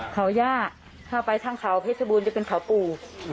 เขาย่าถ้าไปทางเขาเพชรบูรจะเป็นเขาปู่